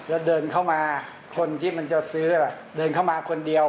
แล้วเดินเข้ามาคนที่มันจะซื้อเดินเข้ามาคนเดียว